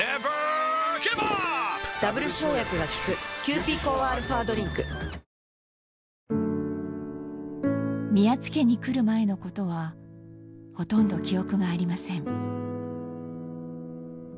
サントリー「セサミン」宮津家に来る前のことはほとんど記憶がありません。